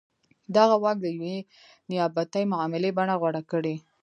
دغه واک د یوې نیابتي معاملې بڼه غوره کړې.